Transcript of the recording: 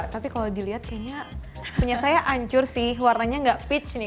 tapi kalau dilihat kayaknya punya saya ancur sih warnanya nggak peach nih